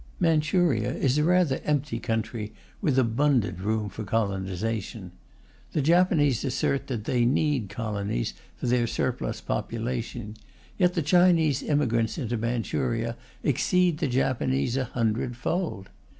Manchuria is a rather empty country, with abundant room for colonization. The Japanese assert that they need colonies for their surplus population, yet the Chinese immigrants into Manchuria exceed the Japanese a hundredfold.